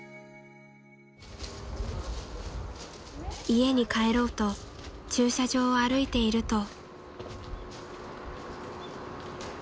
［家に帰ろうと駐車場を歩いていると］